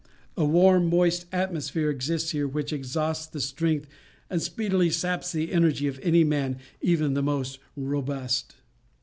A warm, moist atmosphere exists here which exhausts the strength and speedily saps the energy of any man, even the most robust.